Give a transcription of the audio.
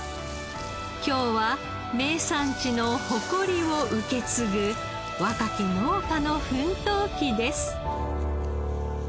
今日は名産地の誇りを受け継ぐ若き農家の奮闘記です。